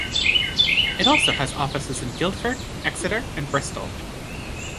It also has offices in Guildford, Exeter and Bristol.